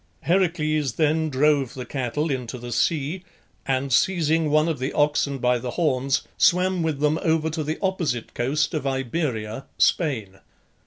Heracles then drove the cattle into the sea, and seizing one of the oxen by the horns, swam with them over to the opposite coast of Iberia (Spain).